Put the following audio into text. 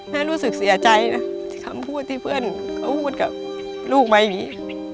รู้สึกเสียใจนะคำพูดที่เพื่อนเขาพูดกับลูกไว้อย่างนี้